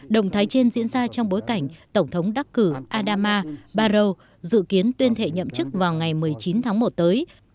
động thái trên diễn ra trong bối cảnh tổng thống đắc cử adama baro dự kiến tuyên thệ nhậm chức vào ngày một mươi chín tháng một tới